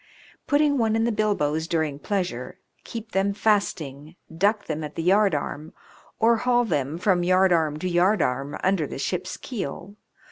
putting one in the bilboes during pleasure, keep them fasting, duck them at the yardarm, or haul them from yardarm to yardarm under the ship's keel.